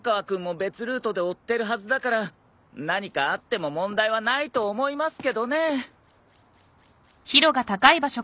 君も別ルートで追ってるはずだから何かあっても問題はないと思いますけどね。